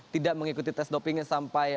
tidak mengikuti tes dopingnya sampai